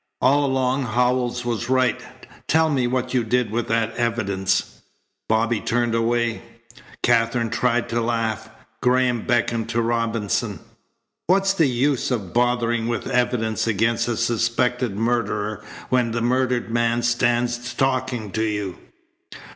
"All along Howells was right. Tell me what you did with that evidence." Bobby turned away. Katherine tried to laugh. Graham beckoned to Robinson. "What's the use of bothering with evidence against a suspected murderer when the murdered man stands talking to you?"